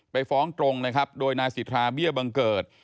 ไปฟ้องตรงนะครับโดยนายสิทธาเบี้ยบังเกิด